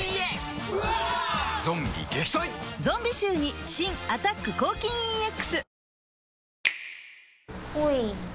ゾンビ臭に新「アタック抗菌ＥＸ」